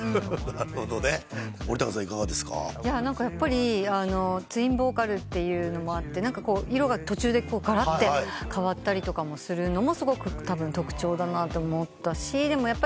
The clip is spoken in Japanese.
やっぱりツインボーカルっていうのもあって色が途中でがらって変わったりとかするのもすごく特徴だなと思ったし。